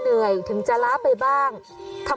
เบื้องต้น๑๕๐๐๐และยังต้องมีค่าสับประโลยีอีกนะครับ